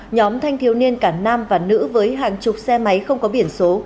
nhóm thanh thiếu niên cả nam và nữ với hàng chục xe máy không có biển số